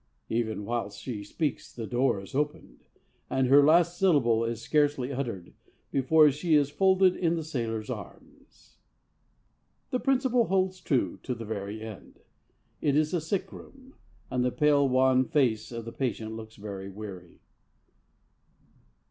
Even whilst she speaks the door is opened, and her last syllable is scarcely uttered before she is folded in the sailor's arms. The principle holds true to the very end. It is a sick room, and the pale wan face of the patient looks very weary.